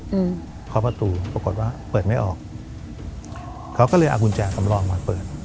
เคาะประตูปรากฏว่าเปิดไม่ออกเขาก็เลยเอากุญแจสำรองมาเปิด